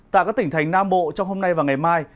tại các tỉnh thành nam bộ trong hôm nay và ngày mai